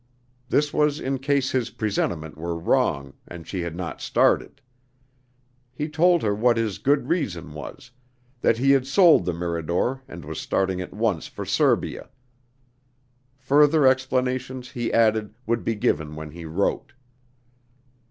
This was in case his "presentiment" were wrong, and she had not started. He told her what his "good reason" was: that he had sold the Mirador and was starting at once for Serbia. Further explanations, he added, would be given when he wrote.